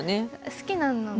好きなので。